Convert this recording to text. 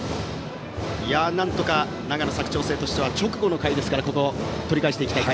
なんとか長野・佐久長聖としては直後の回ですから取り返していきたい。